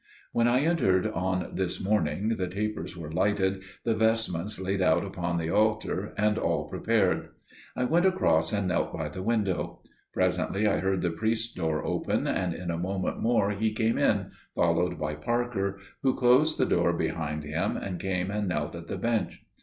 When I entered on this morning the tapers were lighted, the vestments laid out upon the altar, and all prepared. I went across and knelt by the window. Presently I heard the priest's door open, and in a moment more he came in, followed by Parker, who closed the door behind him and came and knelt at the bench.